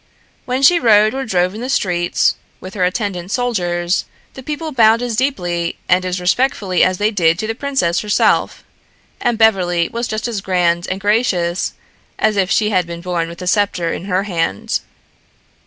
When she rode or drove in the streets, with her attendant soldiers, the people bowed as deeply and as respectfully as they did to the princess herself, and Beverly was just as grand and gracious as if she had been born with a sceptre in her hand.